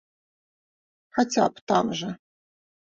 Хаця б там жа.